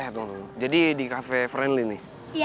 eh tunggu dulu jadi di cafe friendly nih